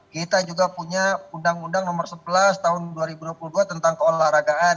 kita juga punya undang undang nomor sebelas tahun dua ribu dua puluh dua tentang keolahragaan